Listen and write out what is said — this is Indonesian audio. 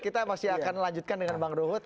kita masih akan lanjutkan dengan bang ruhut